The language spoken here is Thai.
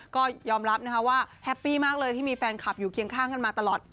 ก็ยอมรับนะคะว่าแฮปปี้มากเลยที่มีแฟนคลับอยู่เคียงข้างกันมาตลอด